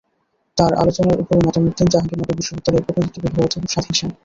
তাঁর আলোচনার ওপরে মতামত দেন জাহাঙ্গীরনগর বিশ্ববিদ্যালয়ের প্রত্নতত্ত্ব বিভাগের অধ্যাপক স্বাধীন সেন।